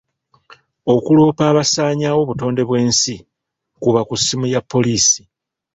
Okuloopa abasaanyaawo obutonde bw'ensi, kuba ku ssimu ya poliisi.